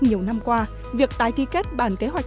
nhiều năm qua việc tái ký kết bản kế hoạch